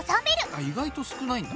意外と少ないんだ。